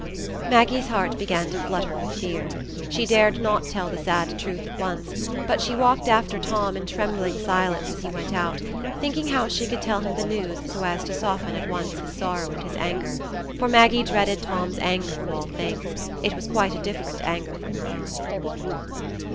Maggie's heart began to flutter with fear. She dared not tell the sad truth at once, but she walked after Tom in trembling silence as he went out, thinking how she could tell him the news so as to soften at once his sorrow and his anger; for Maggie dreaded Tom's anger of all things; it was quite a different anger from her own.